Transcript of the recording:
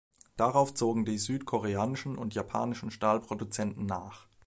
Darauf zogen die südkoreanischen und japanischen Stahlproduzenten nach.